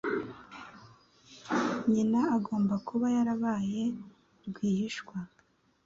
Nyina agomba kuba yarabaye rwihishwa.